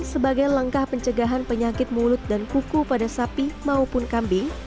sebagai langkah pencegahan penyakit mulut dan kuku pada sapi maupun kambing